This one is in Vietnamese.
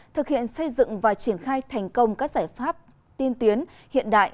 thực hiện xây dựng và triển khai thành công các giải pháp tiên tiến hiện đại